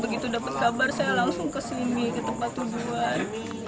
begitu dapat kabar saya langsung ke sini ke tempat tujuan